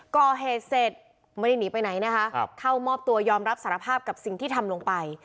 ก่อเหตุเสร็จไม่ได้หนีไปไหนนะคะเข้ามอบตัวยอมรับสารภาพกับสิ่งที่ทำลงไป